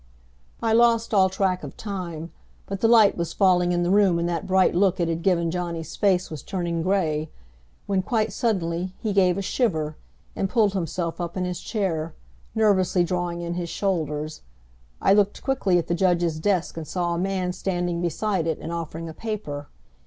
I lost all track of time; but the light was falling in the room and that bright look it had given Johnny's face was turning gray, when, quite suddenly, he gave a shiver, and pulled himself up in his chair, nervously drawing in his shoulders. I looked quickly at the judge's desk and saw a man standing beside it and offering a paper.